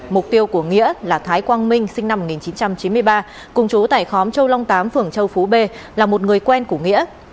mục tiêu của nghĩa là thái quang minh sinh năm một nghìn chín trăm chín mươi ba cùng chú tải khóm châu long tám phường châu phú b là một người quen của nghĩa